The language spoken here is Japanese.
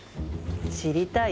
知りたい？